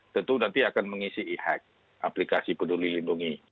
tentu nanti akan mengisi e hack aplikasi peduli lindungi